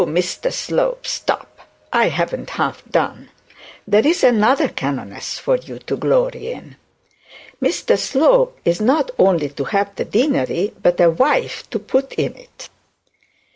'Oh, Mr Slope, stop; I haven't half done. There is another canoness for you to glory in. Mr Slope is not only to have the deanery, but a wife to put in it.'